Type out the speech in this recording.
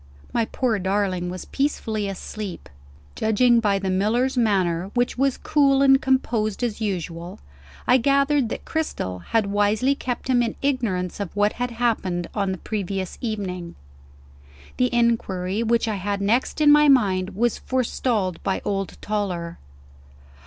My poor darling was peacefully asleep. Judging by the miller's manner, which was as cool and composed as usual, I gathered that Cristel had wisely kept him in ignorance of what had happened on the previous evening. The inquiry which I had next in my mind was forestalled by old Toller.